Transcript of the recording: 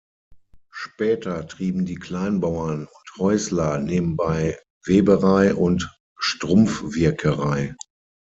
Später trieben die Kleinbauern und Häusler nebenbei Weberei und Strumpfwirkerei.